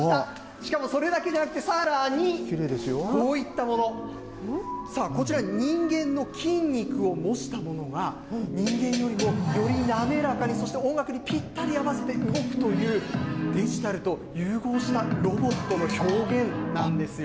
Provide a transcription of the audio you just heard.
しかもそれだけでなくて、さらにこういったもの、さあ、こちら人間の筋肉を模したものが、人間よりもより滑らかに、そして音楽にぴったり合わせて動くという、デジタルと融合したロボットの表現なんですよ。